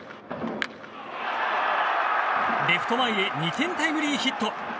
レフト前へ２点タイムリーヒット。